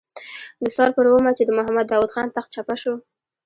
د ثور پر اوومه چې د محمد داود خان تخت چپه شو.